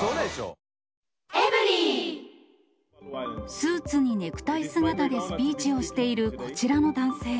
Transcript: スーツにネクタイ姿でスピーチをしているこちらの男性。